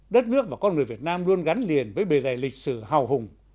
đất nước và con người việt nam luôn gắn liền với bề dày lịch sử hào hùng